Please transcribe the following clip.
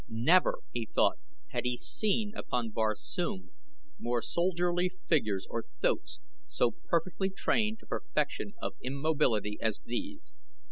Never, he thought, had he seen upon Barsoom more soldierly figures or thoats so perfectly trained to perfection of immobility as these.